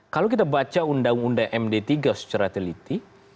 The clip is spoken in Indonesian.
kalau kita baca undang undang md tiga secara teliti